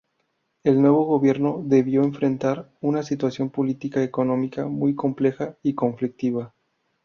El nuevo gobierno debió enfrentar una situación político-económica muy compleja y conflictiva.